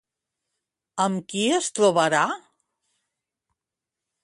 Amb qui es trobarà?